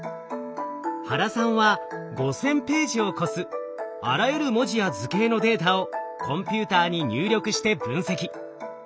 原さんは５，０００ページを超すあらゆる文字や図形のデータをコンピューターに入力して分析。